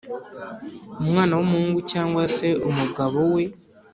umwana w’umuhungu cyangwa se umugabo we